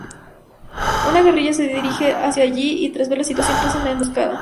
Una guerrilla se dirige hacia allí,y tras ver la situación, trazan la emboscada.